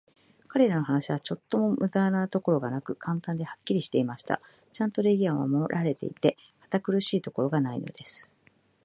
彼等の話は、ちょっとも無駄なところがなく、簡単で、はっきりしていました。ちゃんと礼儀は守られていて、堅苦しいところがないのです。